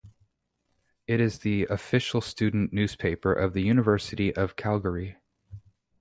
It is the official student newspaper of the University of Calgary.